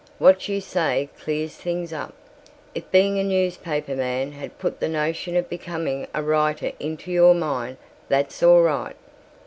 What you say clears things up. If being a newspaper man had put the notion of becoming a writer into your mind that's all right.